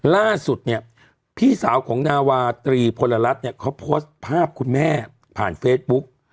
ล่าสุดพี่สาวของนาวะอากาศตรีพลละรัฐเขาโพสต์ภาพคุณแม่ผ่านเฟซบุ๊ก